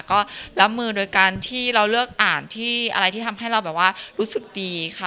ก็รับมือโดยการที่เราเลือกอ่านที่อะไรที่ทำให้เราแบบว่ารู้สึกดีค่ะ